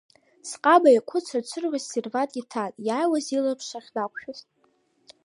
Сҟама еиқәыцырцыруа ссервант иҭан, иааиуаз илаԥш ахьнақәшәоз!